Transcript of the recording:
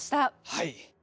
はい！